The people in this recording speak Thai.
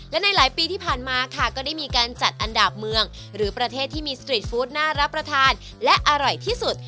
และในหลายปีที่ผ่านมาค่ะก็ได้มีการจัดอันดับเมืองหรือประเทศที่มีสตรีทฟู้ดน่ารับประทานและอร่อยที่สุด